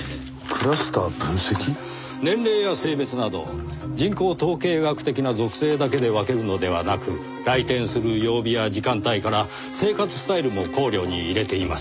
年齢や性別など人口統計学的な属性だけで分けるのではなく来店する曜日や時間帯から生活スタイルも考慮に入れています。